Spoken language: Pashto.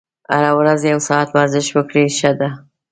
هره ورځ یو ساعت ورزش وکړئ ښه ده.